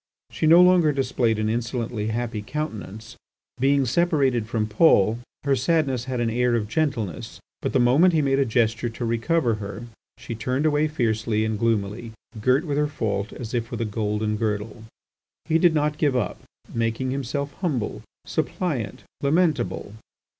She no longer displayed an insolently happy countenance. Being separated from Paul, her sadness had an air of gentleness. But the moment he made a gesture to recover her she turned away fiercely and gloomily, girt with her fault as if with a golden girdle. He did not give up, making himself humble, suppliant, lamentable.